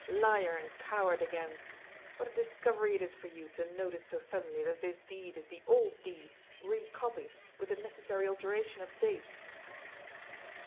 Liar and coward again. What a discovery it is for you to notice so suddenly that this deed is the old deed recopied with the necessary alteration of dates